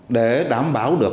để đảm bảo được